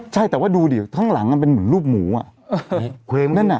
ใช่แต่ว่าดูดิข้างหลังมันเป็นเหมือนรูปหมูอ่ะเพลงนั่นอ่ะ